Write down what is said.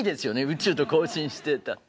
宇宙と交信していたって。